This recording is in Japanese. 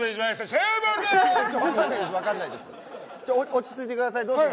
落ち着いてくださいどうしました？